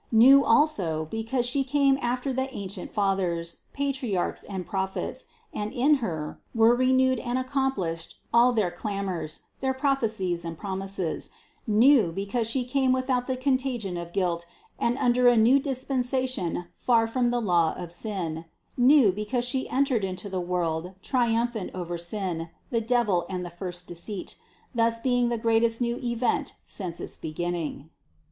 New also, because She came after all the ancient Fathers, Patriarchs and Prophets, and in Her were renewed and accomplished all their clamors, their prophecies and promises; new, because She came without the contagion of guilt and under a new dispensation far from the law of sin; new, because She entered into the world triumphant over sin, the devil and the first deceit, thus being the greatest new event since its beginning.